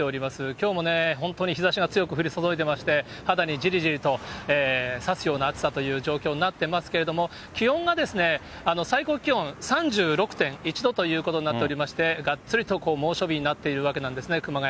きょうもね、本当に日ざしが強く降り注いでいまして、肌にじりじりとさすような暑さという状況になってますけれども、気温が、最高気温３６．１度ということになっておりまして、がっつりと猛暑日になっているわけなんですね、熊谷。